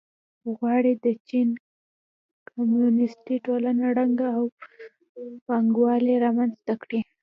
غواړي د چین کمونېستي ټولنه ړنګه او پانګوالي رامنځته کړي.